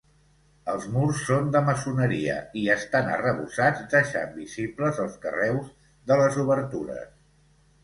Els murs són de maçoneria, i estan arrebossats deixant visibles els carreus de les obertures.